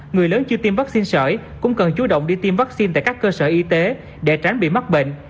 người lớn chưa tiêm vaccine sởi cũng cần chú động đi tiêm vaccine tại các cơ sở y tế để tránh bị mắc bệnh